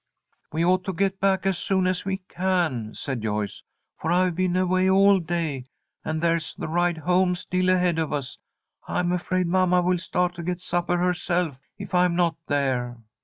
"We ought to get back as soon as we can," said Joyce, "for I've been away all day, and there's the ride home still ahead of us. I'm afraid mamma will start to get supper herself if I'm not there."